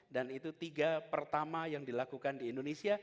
dan itu tiga pertama yang dilakukan di indonesia